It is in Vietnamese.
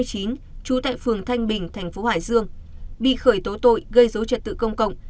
trú tại phường thanh bình thành phố hải dương bị khởi tố tội gây dối trật tự công cộng